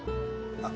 あっ。